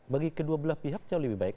bagi kedua belah pihak jauh lebih baik